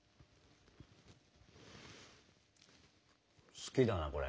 好きだなこれ。